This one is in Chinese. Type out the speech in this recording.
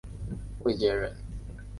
卫玠人。